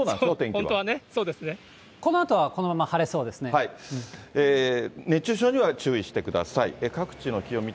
本当はね、このあとはこのまま晴れそう熱中症には注意してください。